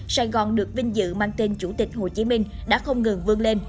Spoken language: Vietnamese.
sài gòn được vinh dự mang tên chủ tịch hồ chí minh đã không ngừng vươn lên